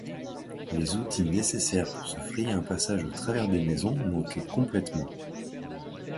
Les outils nécessaires pour se frayer un passage au travers des maisons manquaient complètement.